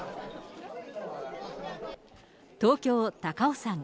東京・高尾山。